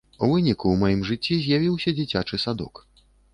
У выніку ў маім жыцці з'явіўся дзіцячы садок.